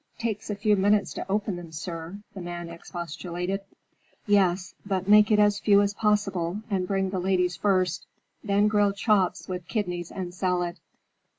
"Takes a few minutes to open them, sir," the man expostulated. "Yes, but make it as few as possible, and bring the lady's first. Then grilled chops with kidneys, and salad."